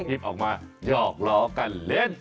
เรียกเต็มออกมายอกเหลากันเล่น